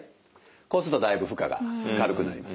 こうするとだいぶ負荷が軽くなります。